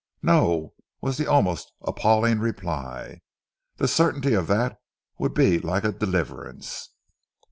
"No!" was the almost appalling reply. "The certainty of that would be like a deliverance."